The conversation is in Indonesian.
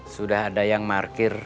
sudah ada yang markir